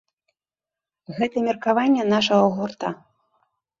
Гэта меркаванне нашага гурта.